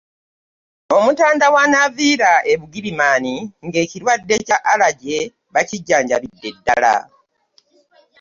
Omutanda w'anaaviira e Bugirimaani ng'ekirwadde kya Allergy bakijjanjabidde ddala.